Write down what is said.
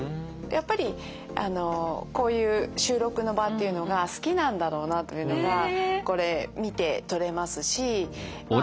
やっぱりあのこういう収録の場っていうのが好きなんだろうなというのがこれ見て取れますしま